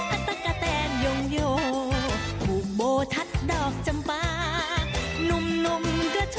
อัตตากะแตนโยงโยหูโบทัศน์ดอกจำปลา